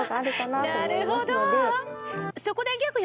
なるほど。